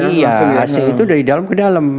iya ac itu dari dalam ke dalam